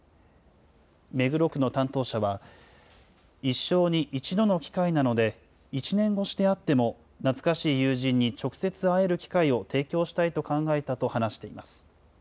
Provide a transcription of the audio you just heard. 目黒区の担当者は、一生に一度の機会なので、１年越しであっても、懐かしい友人に直接会える機会を提供したいと考えたと話しています。